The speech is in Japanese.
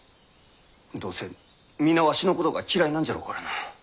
どうせ皆わしのことが嫌いなんじゃろうからな。